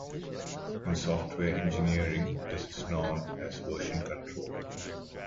In software engineering, this is known as version control.